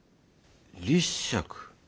立石。